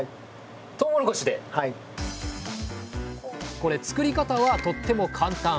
これ作り方はとっても簡単。